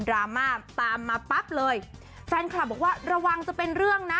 ราม่าตามมาปั๊บเลยแฟนคลับบอกว่าระวังจะเป็นเรื่องนะ